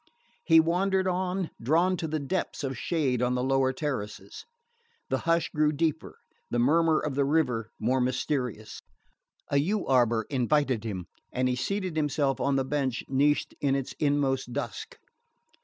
He wandered on, drawn to the depths of shade on the lower terraces. The hush grew deeper, the murmur of the river more mysterious. A yew arbour invited him and he seated himself on the bench niched in its inmost dusk.